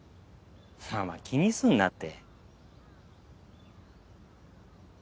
まあまあ気にすんなって。